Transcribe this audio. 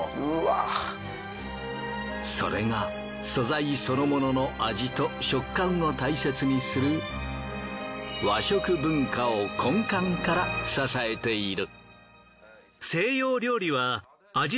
それが素材そのものの味と食感を大切にする和食文化を根幹から支えている。